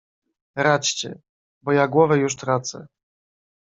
"Radźcie, bo ja głowę już tracę."